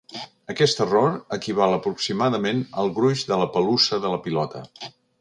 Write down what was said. Aquest error equival aproximadament al gruix de la pelussa de la pilota.